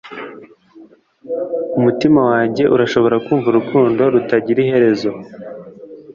umutima wanjye urashobora kumva urukundo rutagira iherezo